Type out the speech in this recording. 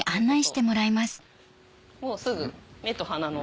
もうすぐ目と鼻の。